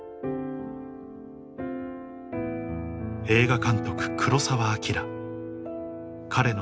映画監督黒澤明彼の